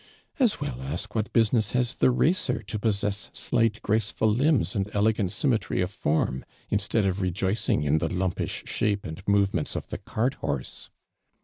'' •'As well ask what business has the raeer to pos.sess .slight, gracehd limbs an<l elegant symmetry of form, instead of rejoicing in the lumpish shaj.0 and movement" of the cart hor.se